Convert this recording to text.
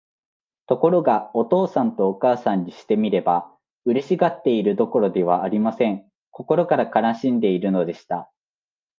ところが、お父さんとお母さんにしてみれば、嬉しがっているどころではありません。心から悲しんでいるのでした。